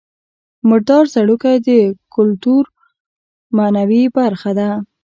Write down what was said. مردار ځړوکی د کولتور معنوي برخه ده